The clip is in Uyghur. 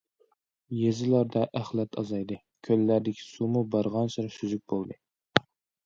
يېزىلاردا ئەخلەت ئازايدى، كۆللەردىكى سۇمۇ بارغانسېرى سۈزۈك بولدى.